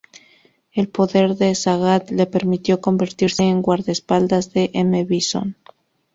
El poder de Sagat le permitió convertirse en guardaespaldas de M. Bison.